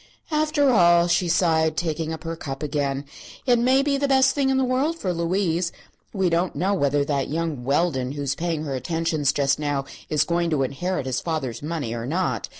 "After all," she sighed, taking up her cup again, "it may be the best thing in the world for Louise. We don't know whether that young Weldon, who is paying her attentions just now, is going to inherit his father's money or not.